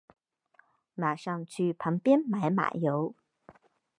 马上去旁边买马油